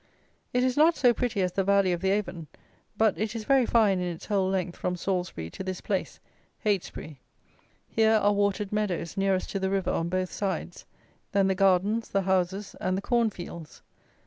It is not so pretty as the valley of the Avon; but it is very fine in its whole length from Salisbury to this place (Heytesbury). Here are watered meadows nearest to the river on both sides; then the gardens, the houses, and the corn fields.